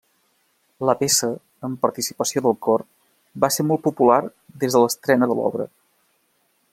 La peça, amb participació del cor, va ser molt popular des de l'estrena de l'obra.